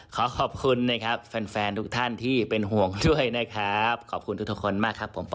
ก็ขอขอบคุณนะครับแฟนทุกท่านที่เป็นห่วงด้วยนะครับ